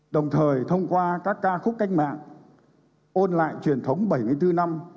đồng thời thông qua các ca khúc cách mạng ôn lại truyền thống bảy mươi bốn năm